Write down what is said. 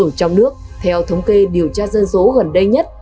ở trong nước theo thống kê điều tra dân số gần đây nhất